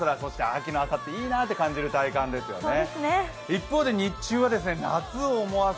秋の朝っていいなと感じる体感ですよね。